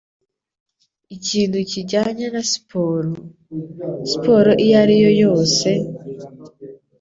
Ikintu kijyanye na siporo, siporo iyo ari yo yose,